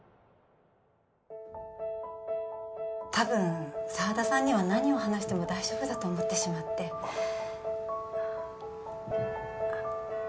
たぶん沢田さんには何を話しても大丈夫だと思ってしまってあああっ